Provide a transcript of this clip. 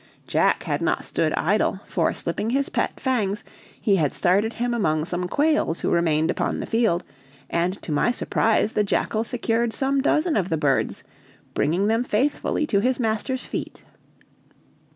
Jack had not stood idle, for slipping his pet, Fangs, he had started him among some quails who remained upon the field, and to my surprise the jackal secured some dozen of the birds, bringing them faithfully to his master's feet.